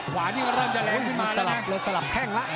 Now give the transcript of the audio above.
ขวานี่มันเริ่มจะแรงขึ้นมาแล้วนะ